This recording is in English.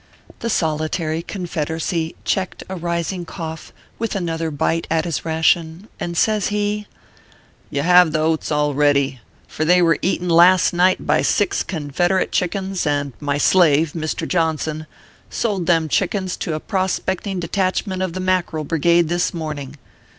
The solitary Confederacy checked a rising cough with another bite at his ration, and says he :" You have the oats already ; for they were eaten last night by six Confederate chickens, and my slave, Mr. Johnson, sold them chickens to a prospecting de tachment of the Mackerel Brigade this morning.